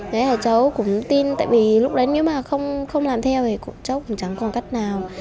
đấy là cháu cũng tin tại vì lúc đấy nếu mà không làm theo thì cháu cũng chẳng còn cách nào